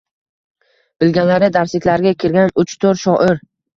Bilganlari darsliklarga kirgan uch-to‘rt shoir.